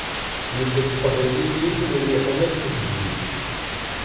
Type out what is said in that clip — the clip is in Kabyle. Nekk d teqbaylit-iw nemyeḥmmal seg zik.